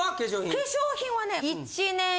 化粧品はね。